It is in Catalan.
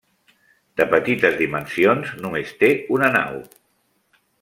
De petites dimensions, només té una nau.